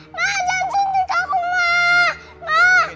ma jangan cintik aku ma